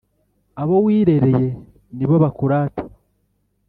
Abo wirereye nibo bakurata,